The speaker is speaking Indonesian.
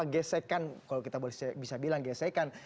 kesekan kalau kita bisa bilang kesekan